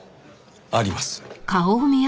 あります。